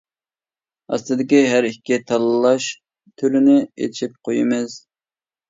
ئاستىدىكى ھەر ئىككى تاللاش تۈرىنى ئېچىپ قويىمىز.